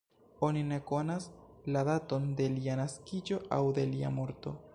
Oni ne konas la daton de lia naskiĝo aŭ de lia morto.